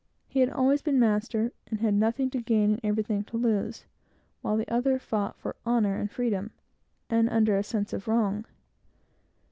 He had always been his master, and had nothing to gain, and everything to lose; while the other fought for honor and freedom, under a sense of wrong.